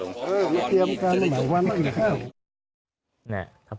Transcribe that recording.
นี่ห้ามหน่า